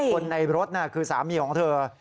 คนในรถคือสามีของเธอ